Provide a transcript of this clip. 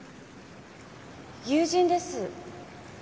友人です。